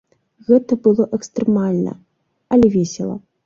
Гэта было экстрэмальна, але весела.